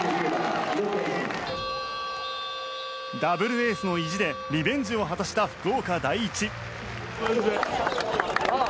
ダブルエースの意地でリベンジを果たした福岡第一。